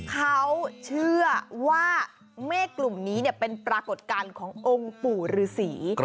เขาเชื่อว่าเมฆกลุ่มนี้เป็นปรากฏการณ์ขององค์ปู่ฤษี